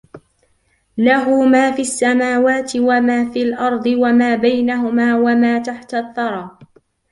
له ما في السماوات وما في الأرض وما بينهما وما تحت الثرى